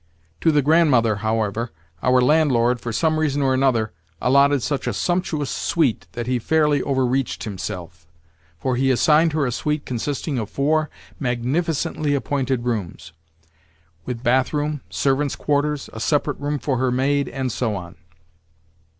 To the Grandmother, however, our landlord, for some reason or another, allotted such a sumptuous suite that he fairly overreached himself; for he assigned her a suite consisting of four magnificently appointed rooms, with bathroom, servants' quarters, a separate room for her maid, and so on.